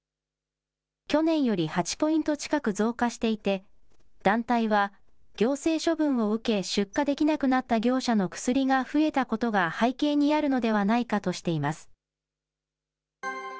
去年より８ポイント近く増加していて、団体は、行政処分を受け、出荷できなくなった業者の薬が増えたことが背景にあるのではないかとしています。